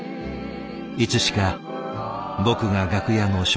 いつしか僕が楽屋の食料係と。